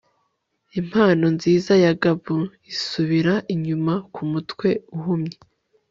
impano nziza ya gab isubira inyuma kumutwe uhumye